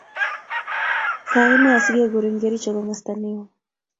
Kaine asigeguren Kericho komsta neoo